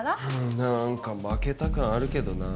なんか負けた感あるけどな。